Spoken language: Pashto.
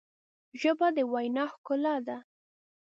ژبه د وینا ښکلا ده